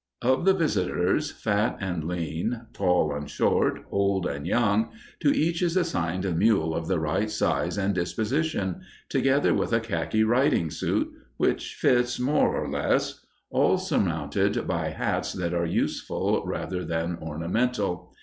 Of the visitors, fat and lean, tall and short, old and young, to each is assigned a mule of the right size and disposition, together with a khaki riding suit, which fits more or less, all surmounted by hats that are useful rather than ornamental.